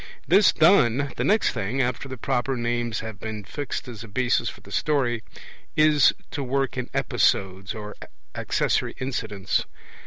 This done, the next thing, after the proper names have been fixed as a basis for the story, is to work in episodes or accessory incidents.